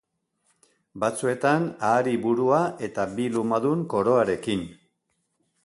Batzuetan ahari burua eta bi lumadun koroarekin.